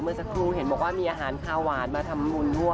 เมื่อสัดครู่เชนบอกมีอาหารคาวารมาทำฮมัลดีด้วย